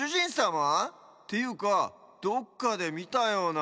ていうかどっかでみたような。